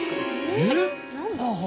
えっ⁉